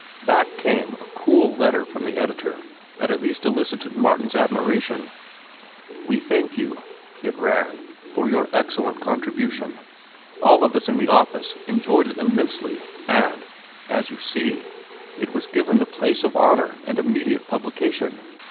Back came a cool letter from the editor that at least elicited Martin's admiration. "We thank you," it ran, "for your excellent contribution. All of us in the office enjoyed it immensely, and, as you see, it was given the place of honor and immediate publication.